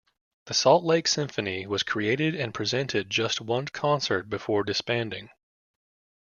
The Salt Lake Symphony was created and presented just one concert before disbanding.